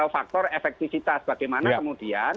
faktor efektifitas bagaimana kemudian